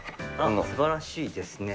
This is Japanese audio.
すばらしいですね。